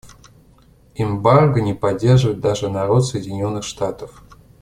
Эмбарго не поддерживает даже народ Соединенных Штатов.